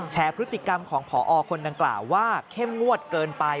พฤติกรรมของพอคนดังกล่าวว่าเข้มงวดเกินไป